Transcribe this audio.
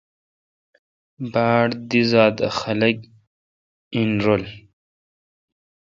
با ڑ دی زات اہ خلق این رن۔